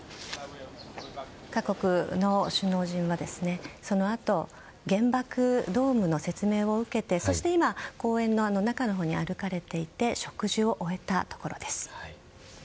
各国の首脳陣はそのあと原爆ドームの説明を受けてそして今公園の中のほうに歩かれて植樹を終えたところです。